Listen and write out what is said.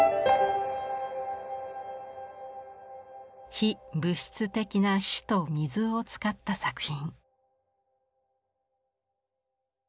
非物質的な火と水を使った作品。